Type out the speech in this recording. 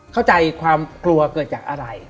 เข้าใจความกลัวเกิดจากอะไร